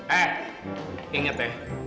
eh inget ya